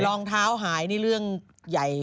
รองเท้าหายนี่เรื่องใหญ่